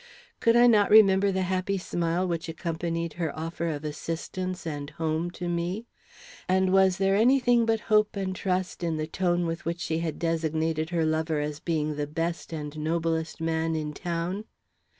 Could I not remember the happy smile which accompanied her offer of assistance and home to me? And was there any thing but hope and trust in the tone with which she had designated her lover as being the best and noblest man in town?